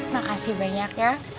makasih banyak ya